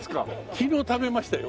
昨日食べましたよ。